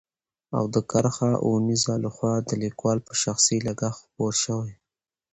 او د کرښه اوو نيزه له خوا د ليکوال په شخصي لګښت خپور شوی.